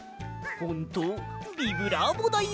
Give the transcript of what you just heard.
「ほんとビブラーボだよ」。